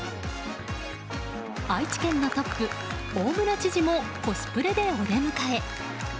愛知県のトップ大村知事もコスプレでお出迎え。